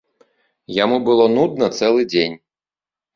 Яму было нудна цэлы дзень.